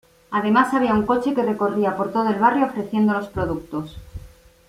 Además había un coche que recorría por todo el barrio ofreciendo los productos.